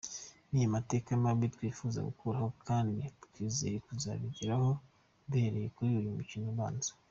Ni amateka mabi twifuza gukuraho kandi twizeye kuzabigeraho duhereye kuri uyu mukino ubanza.